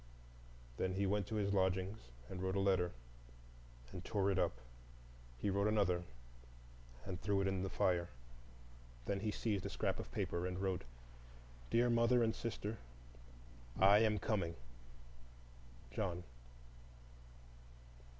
Then he went to his lodgings and wrote a letter, and tore it up; he wrote another, and threw it in the fire. Then he seized a scrap of paper and wrote: "Dear Mother and Sister—I am coming—John."